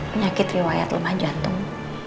penyakit riwayat lemah jantung